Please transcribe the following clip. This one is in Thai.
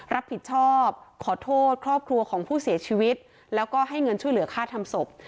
รับผิดชอบขอโทษครอบครัวของผู้เสียชีวิตแล้วก็ให้เงินช่วยเหลือค่าทำศพ